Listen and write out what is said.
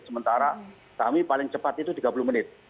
sementara kami paling cepat itu tiga puluh menit